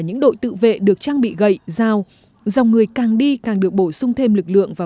những đội tự vệ được trang bị gậy dao dòng người càng đi càng được bổ sung thêm lực lượng và